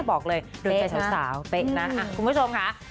บอกเลยดูใจสาวเตะนะคุณผู้ชมค่ะ